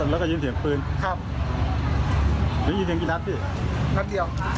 แล้วก็ยินเสียงปืนครับได้ยินเสียงกี่นัดดินัดเดียว